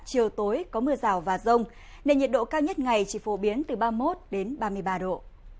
chiều tối có mưa rào và rông nên nhiệt độ cao nhất ngày chỉ phổ biến từ ba mươi một đến ba mươi ba độ